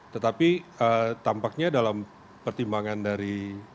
tetapi tampaknya dalam pertimbangan dari